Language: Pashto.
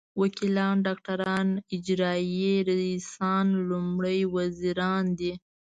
وکیلان ډاکټران اجرايي رییسان لومړي وزیران دي.